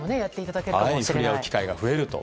触れ合う機会が増えると。